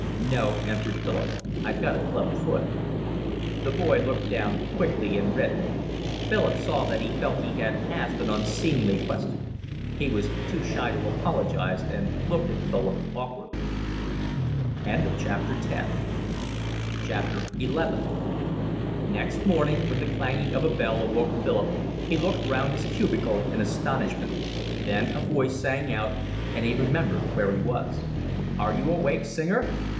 "No," answered Philip. "I've got a club foot." The boy looked down quickly and reddened. Philip saw that he felt he had asked an unseemly question. He was too shy to apologise and looked at Philip awkwardly. XI Next morning when the clanging of a bell awoke Philip he looked round his cubicle in astonishment. Then a voice sang out, and he remembered where he was. "Are you awake, Singer?"